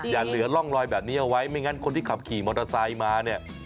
อย่าเหลือร่องลอยแบบนี้เอาไว้ไม่งั้นคนที่ขับขี่มอเตอร์ไซค์มาเนี่ย